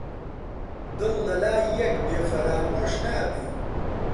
دڵ لە لای یەک بێ فەرامۆش نابێ